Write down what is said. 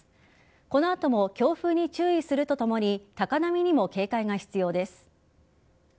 この後も強風に注意するとともに高波にも警戒が必要です。